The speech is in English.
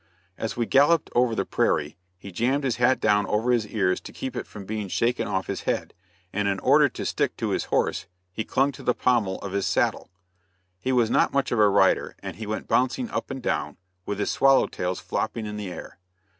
As we galloped over the prairie, he jammed his hat down over his ears to keep it from being shaken off his head, and in order to stick to his horse, he clung to the pommel of his saddle. He was not much of a rider, and he went bouncing up and down, with his swallow tails flopping in the air.